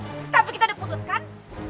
tapi kita udah putuskan